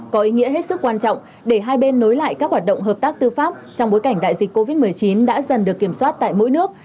có ý nghĩa hết sức quan trọng để hai bên nối lại các hoạt động hợp tác tư pháp trong bối cảnh đại dịch covid một mươi chín đã dần được kiểm soát tại mỗi nước